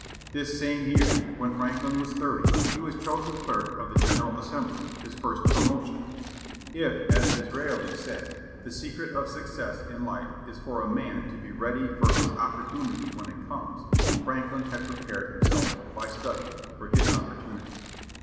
This same year, when Franklin was thirty, he was chosen clerk of the General Assembly, his first promotion. If, as Disraeli said, "the secret of success in life is for a man to be ready for his opportunity when it comes," Franklin had prepared himself, by study, for his opportunity.